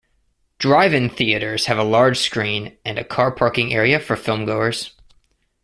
Drive-in theaters have a large screen and a car parking area for film-goers.